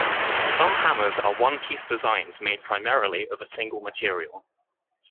Some hammers are one-piece designs made primarily of a single material.